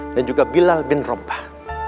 dan juga bilal bin robah